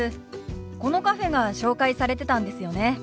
このカフェが紹介されてたんですよね？